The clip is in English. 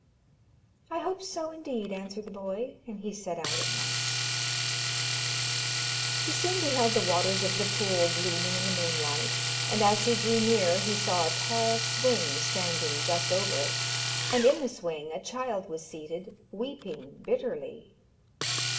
'I hope so, indeed,' answered the boy. And he set out at once. He soon beheld the waters of the pool gleaming in the moonlight, and as he drew near he saw a tall swing standing just over it, and in the swing a child was seated, weeping bitterly.